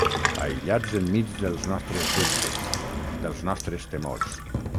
Aïllats enmig dels nostres dubtes, dels nostres temors.